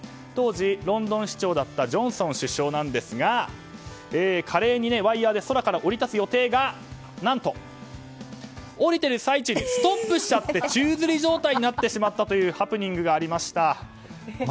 当時ロンドン市長だったジョンソン首相ですが華麗にワイヤで空から降り立つ予定が何と、降りている最中にストップしちゃって宙づり状態になってしまったというハプニングがありました。